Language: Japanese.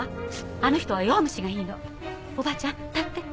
あの人は弱虫がいいのおばあちゃん立って。